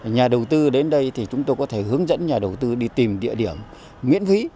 nhà đầu tư đến đây thì chúng tôi có thể hướng dẫn nhà đầu tư đi tìm địa điểm miễn phí